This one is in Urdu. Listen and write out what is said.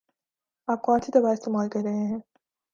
آپ کون سی دوا استعمال کر رہے ہیں؟